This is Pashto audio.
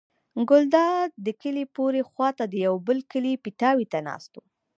ګلداد د کلي پورې خوا ته د یوه بل کلي پیتاوي ته ناست و.